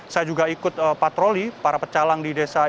saya juga ikut patroli para pecalang di desa ini